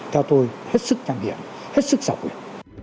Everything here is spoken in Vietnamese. theo tôi hết sức nhằm điện hết sức giảo quyền